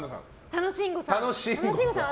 楽しんごさん。